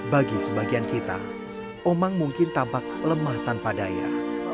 bagi sebagian kita omang mungkin tampak lemah tanpa daya